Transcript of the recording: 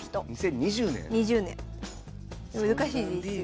難しいですよね。